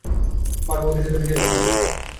ভাবলাম ওদের সাথেই বেশি লাভ করবো।